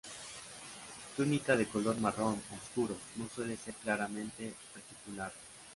Túnica de color marrón oscuro, no suele ser claramente reticulada.